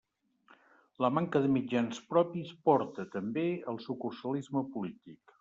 La manca de mitjans propis porta, també, al sucursalisme polític.